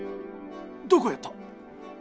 どこをやった？